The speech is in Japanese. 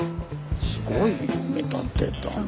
すごい埋め立てだな。